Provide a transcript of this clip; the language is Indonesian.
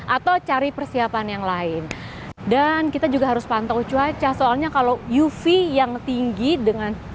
atau cari persiapan yang lain dan kita juga harus pantau cuaca soalnya kalau uv yang tinggi dengan